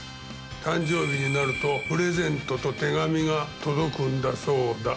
誕生日になると、プレゼントと手紙が届くんだそうだ。